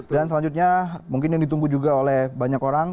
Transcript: dan selanjutnya mungkin yang ditunggu juga oleh banyak orang